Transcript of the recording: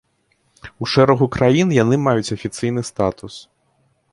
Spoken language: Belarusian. У шэрагу краін яны маюць афіцыйны статус.